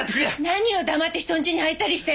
何よ黙って人んちに入ったりして！